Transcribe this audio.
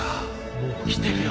もう来てるよ。